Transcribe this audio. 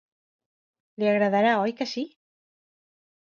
Li agradarà, oi que sí?